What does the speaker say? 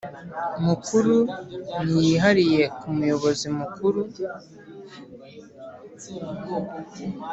Mukuru n iyihariye ku Muyobozi Mukuru